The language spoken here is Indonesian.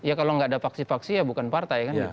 ya kalau nggak ada paksi paksi ya bukan partai